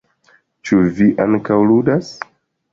Ĉu vi ankaŭ ludas?